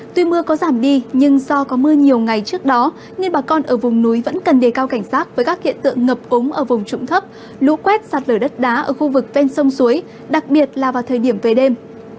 tuy mưa có giảm đi nhưng do có mưa nhiều ngày trước đó nên bà con ở vùng núi vẫn cần đề cao cảnh sát với các hiện tượng ngập úng ở vùng trụng thấp lũ quét sạt lở đất đá ở khu vực ven sông suối đặc biệt là vào thời điểm về đêm